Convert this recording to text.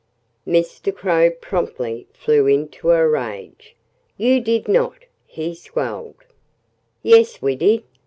Mr. Crow promptly flew into a rage. "You did not!" he squalled. "Yes, we did!"